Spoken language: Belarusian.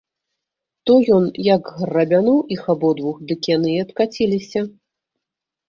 То ён як грабянуў іх абодвух, дык яны і адкаціліся.